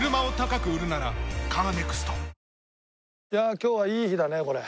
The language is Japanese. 今日はいい日だねこれ。